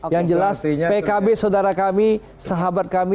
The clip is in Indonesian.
yang jelas pkb saudara kami sahabat kami